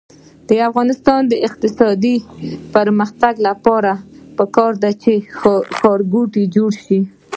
د افغانستان د اقتصادي پرمختګ لپاره پکار ده چې ښارګوټي جوړ شي.